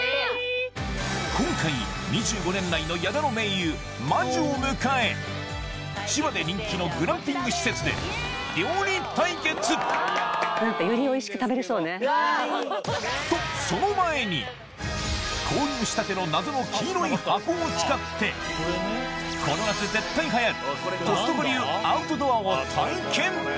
今回２５年来の矢田の盟友真珠を迎え千葉で人気のグランピング施設で料理対決とその前に購入したての謎の黄色い箱を使ってこの夏絶対流行る気になってた！